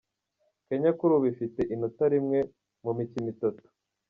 Kenya kuri ubu ifite inota rimwe mu mikino itatu